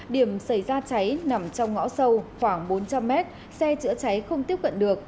điểm xảy ra cháy nằm trong ngõ sâu khoảng bốn trăm linh m xe chữa cháy không tiếp cận được